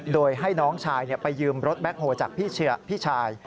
โดยให้น้องชายไปยืมรถแบ็คโฮจากพี่ชาย